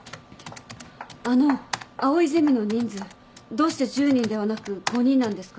あの藍井ゼミの人数どうして１０人ではなく５人なんですか？